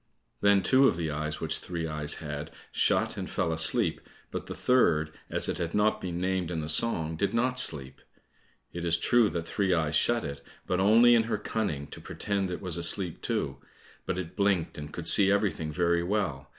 Then two of the eyes which Three eyes had, shut and fell asleep, but the third, as it had not been named in the song, did not sleep. It is true that Three eyes shut it, but only in her cunning, to pretend it was asleep too, but it blinked, and could see everything very well.